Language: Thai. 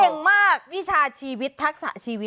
เก่งมากวิชาชีวิตทักษะชีวิต